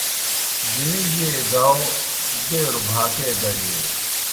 گِݨِجیئے گاؤ، ڈیروْ بھاکے دجیئے